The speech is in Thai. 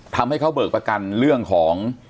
ทำให้เขาเบิกประกันเรื่องของ